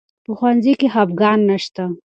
په ښوونځي کې خفګان نه شته.